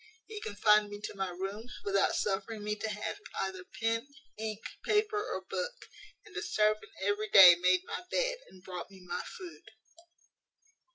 He confined me to my room, without suffering me to have either pen, ink, paper, or book: and a servant every day made my bed, and brought me my food.